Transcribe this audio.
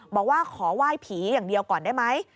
บอกว่าขอไหว้ผีอย่างเดียวก่อนได้ไหม